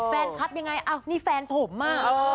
แฟนคลับยังไงอ้าวนี่แฟนผมอ่ะ